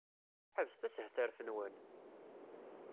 Ḥebset ashetref-nwen!